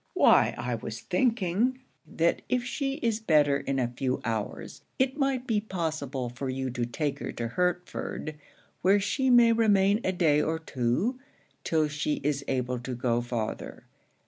'Why I was thinking, that if she is better in a few hours, it might be possible for you to take her to Hertford, where she may remain a day or two, till she is able to go farther.